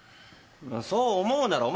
そう思うならお前